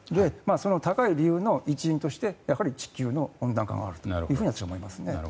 その高い理由の一因としてやはり地球の温暖化があると思います。